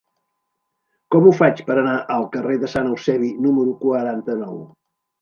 Com ho faig per anar al carrer de Sant Eusebi número quaranta-nou?